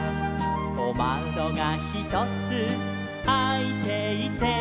「おまどがひとつあいていて」